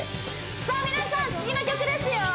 さあ皆さん次の曲ですよ